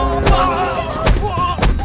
udah aneh maksudnya